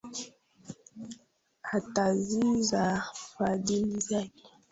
Ataagiza fadhili zake.